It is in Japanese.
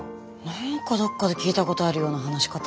何かどっかで聞いたことあるような話し方。